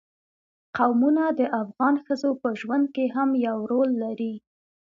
قومونه د افغان ښځو په ژوند کې هم یو رول لري.